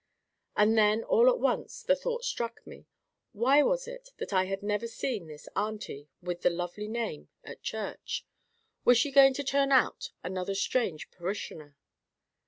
And then all at once the thought struck me—why was it that I had never seen this auntie, with the lovely name, at church? Was she going to turn out another strange parishioner?